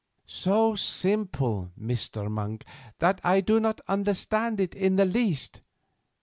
"So simple, Mr. Monk, that I do not understand it in the least.